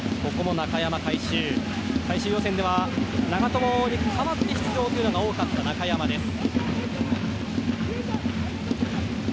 最終予選では長友に代わって出場というのが多かった中山です。